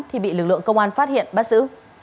thì bị lực lượng công an phát hiện bắt giữ